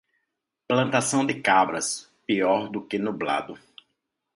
Plantação de cabras, pior do que nublado.